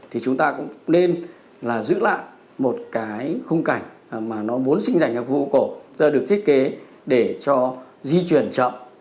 thì chúng ta cũng nên là giữ lại một cái khung cảnh mà nó muốn sinh dành cho khu phố cổ được thiết kế để cho di chuyển chậm